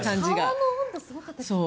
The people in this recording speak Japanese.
沢の温度すごかったですね。